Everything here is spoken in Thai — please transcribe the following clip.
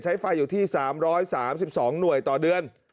ใช้ไฟอยู่ที่๓๓๒หน่วยต่อเดือน